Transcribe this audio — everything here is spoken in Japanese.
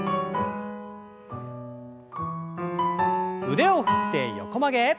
腕を振って横曲げ。